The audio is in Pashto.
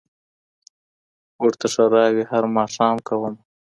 ورته ښېراوي هر ماښام كومه